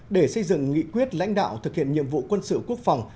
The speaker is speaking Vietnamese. để xây dựng nghị quyết lãnh đạo thực hiện nhiệm vụ quân sự quốc phòng